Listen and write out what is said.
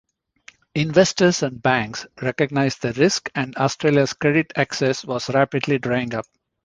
Investors and banks recognised the risk and Australia's credit access was rapidly drying up.